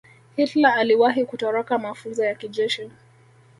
hitler aliwahi kutoroka mafunzo ya kijeshi